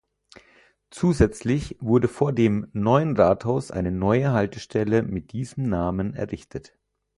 Zusätzlich wurde vor dem Neuen Rathaus eine neue Haltestelle mit diesem Namen errichtet.